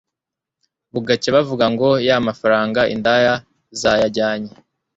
bugacya bavuga ngo ya mafaranga indaya zayajyanye,